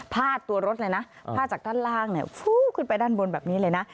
พลาดตัวรถเลยนะพลาดจากด้านล่างขึ้นไปด้านบนแบบนี้เลยนะ